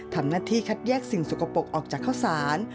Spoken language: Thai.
ทำหน้าที่คัดแยกสิ่งสกปรกออกจากข้าวสาร